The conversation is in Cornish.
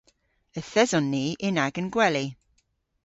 Yth eson ni yn agan gweli.